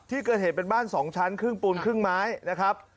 ที่เกิดเหตุเป็นบ้าน๒ชั้นครึ่งปูนครึ่งไม้นะครับ